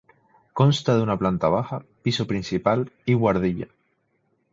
Consta de una planta baja, piso principal y buhardilla.